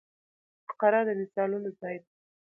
فقره د مثالونو ځای يي.